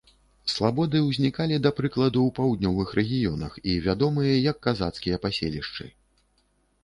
Слабоды ўзнікалі, да прыкладу, у паўднёвых рэгіёнах і вядомыя як казацкія паселішчы.